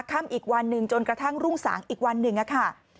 ค่ำอีกวันหนึ่งจนกระทั่งรุ่งสางอีกวันหนึ่งค่ะ